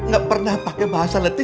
gak pernah pakai bahasa letih